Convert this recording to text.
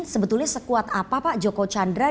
jadi itu menurut saya sekuat apa pak joko chandra